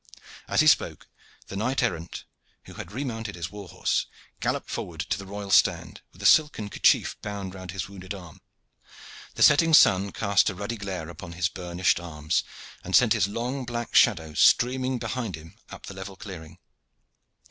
As he spoke, the knight errant, who had remounted his warhorse, galloped forward to the royal stand, with a silken kerchief bound round his wounded arm. The setting sun cast a ruddy glare upon his burnished arms, and sent his long black shadow streaming behind him up the level clearing.